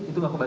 itu gak kebaca